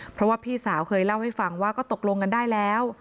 เพราะว่าพี่สาวเคยเล่าให้ฟังว่าก็ตกลงกันได้แล้ว